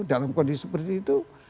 dalam kondisi seperti itu